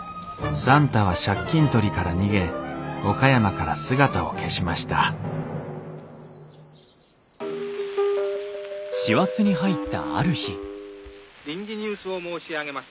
算太は借金取りから逃げ岡山から姿を消しました「臨時ニュースを申し上げます。